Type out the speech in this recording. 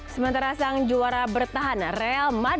sementara sang juara bertahan real madri